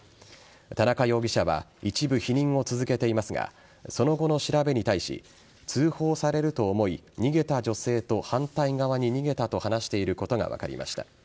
田中容疑者は一部否認を続けていますがその後の調べに対し通報されると思い逃げた女性と反対側に逃げたと話していることが分かりました。